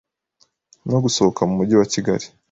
no gusohoka mu Mujyi wa Kigali